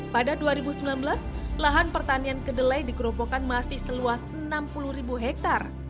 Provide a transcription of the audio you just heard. pada dua ribu sembilan belas lahan pertanian kedelai di keropokan masih seluas enam puluh ribu hektare